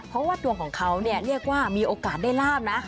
เพราะว่าดวงของเขาเนี่ยเรียกว่ามีโอกาสได้ลาบนะ